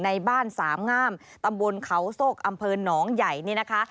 ในบ้านสามงามตำบลเขาโซกอำเภอหนองใหญ่นี่นะคะ